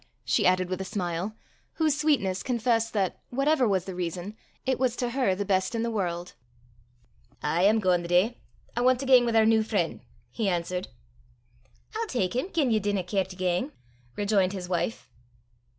she added with a smile, whose sweetness confessed that, whatever was the reason, it was to her the best in the world. "Ay, I'm gaein' the day: I want to gang wi' oor new freen'," he answered. "I'll tak him gien ye dinna care to gang," rejoined his wife.